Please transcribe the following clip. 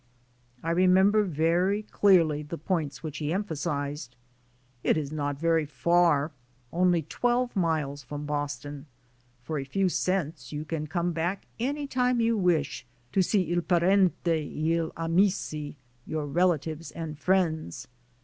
I remember very clearly the points which he empha sized: "It is not very far, only twelve miles from Boston. For a few cents you can come back any time you wish, to see 'i parenti e gli amici,' your relatives and friends.